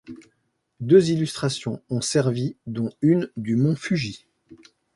Deux illustrations ont servi dont une du mont Fuji.